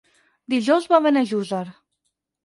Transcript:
Dijous va a Benejússer.